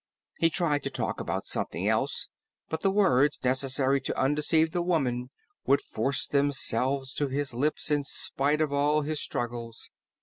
He tried to talk about something else, but the words necessary to undeceive the woman would force themselves to his lips in spite of all his struggles.